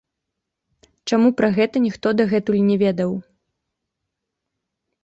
Чаму пра гэта ніхто дагэтуль не ведаў?